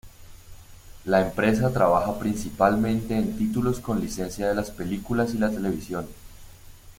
La empresa trabaja principalmente en títulos con licencia de las películas y la televisión.